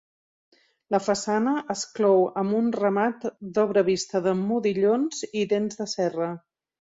La façana es clou amb un remat d'obra vista de modillons i dents de serra.